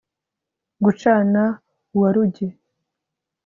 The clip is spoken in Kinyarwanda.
gucana uwa rugi